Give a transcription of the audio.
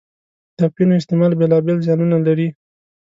د اپینو استعمال بېلا بېل زیانونه لري.